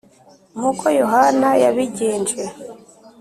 nkuko Yohana yabigenje